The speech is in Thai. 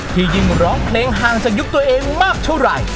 ยิ่งร้องเพลงห่างจากยุคตัวเองมากเท่าไหร่